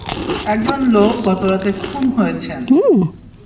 একজন লোক গতরাতে খুন হয়েছেন।